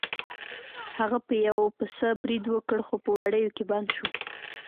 هغه په یو پسه برید وکړ خو په وړیو کې بند شو.